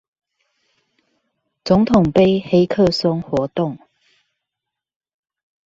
總統盃黑客松活動